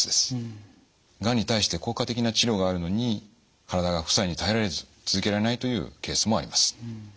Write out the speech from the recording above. がんに対して効果的な治療があるのに体が副作用に耐えられず続けられないというケースもあります。